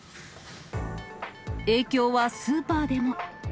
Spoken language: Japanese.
影響はスーパーでも。